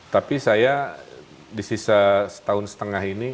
tapi saya di sisa setahun setengah ini